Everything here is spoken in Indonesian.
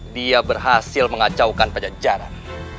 dia berhasil mengacaukan pajak jarak